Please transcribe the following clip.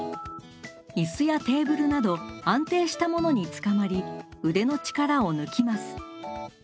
椅子やテーブルなど安定したものにつかまり腕の力を抜きます。